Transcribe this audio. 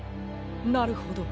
なるほど。